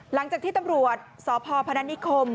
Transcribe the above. หลังจากที่ตำรวจสพพนัทนิคม